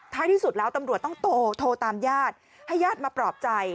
ที่สุดแล้วตำรวจต้องโทรตามญาติให้ญาติมาปลอบใจ